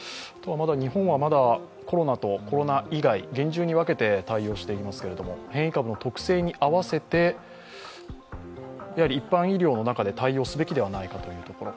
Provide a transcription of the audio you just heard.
日本はまだコロナとコロナ以外厳重に分けて対応していますけれども、変異株の特性に合わせて一般医療中で対応すべきではないかというところ。